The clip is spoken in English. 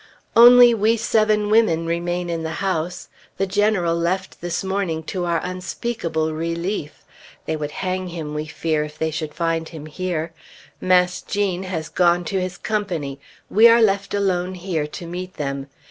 Only we seven women remain in the house. The General left this morning, to our unspeakable relief. They would hang him, we fear, if they should find him here. Mass' Gene has gone to his company; we are left alone here to meet them.